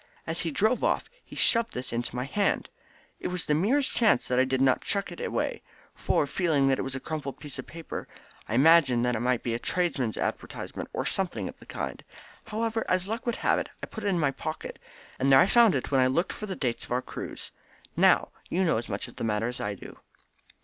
As he drove off he shoved this into my hand. It is the merest chance that I did not chuck it away, for, feeling that it was a crumpled piece of paper, I imagined that it must be a tradesman's advertisement or something of the kind. However, as luck would have it, I put it in my pocket, and there I found it when I looked for the dates of our cruise. Now you know as much of the matter as I do."